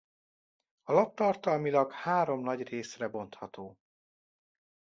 A lap tartalmilag három nagy részre bontható.